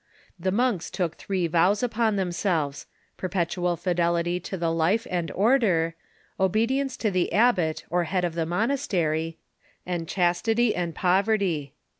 The monks took three vows upon themselves : perpetual fidel ity to the life and order; obedience to the abbot or head of the monastery; and chastity and poverty.